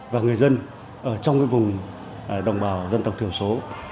và người dân ở trong vùng đồng bào dân tộc thiểu số